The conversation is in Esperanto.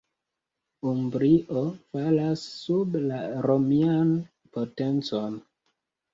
Umbrio falas sub la romian potencon.